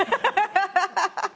ハハハハハ。